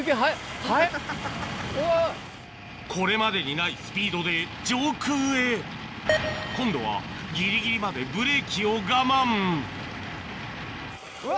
これまでにないスピードで上空へ今度はギリギリまでブレーキを我慢まだ？